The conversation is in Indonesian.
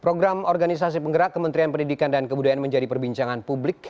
program organisasi penggerak kementerian pendidikan dan kebudayaan menjadi perbincangan publik